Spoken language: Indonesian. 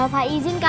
sudah diini kak